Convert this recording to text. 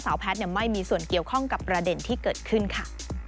แพทย์ไม่มีส่วนเกี่ยวข้องกับประเด็นที่เกิดขึ้นค่ะ